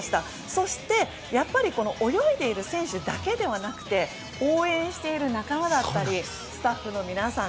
そして、やっぱり泳いでいる選手だけではなくて応援している仲間だったりスタッフの皆さん